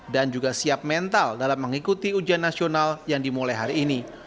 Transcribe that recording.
dan juga siap mental dalam mengikuti ujian nasional yang dimulai hari ini